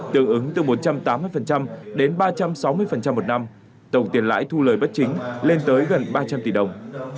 tương ứng từ một trăm tám mươi đến ba trăm sáu mươi một năm tổng tiền lãi thu lời bất chính lên tới gần ba trăm linh tỷ đồng